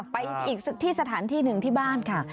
ไปอีกที่สถานที่หนึ่งที่บ้านค่ะ